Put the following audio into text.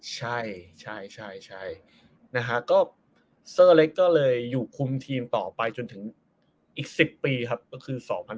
ใช่ใช่นะฮะก็เซอร์เล็กก็เลยอยู่คุมทีมต่อไปจนถึงอีก๑๐ปีครับก็คือ๒๐๑๖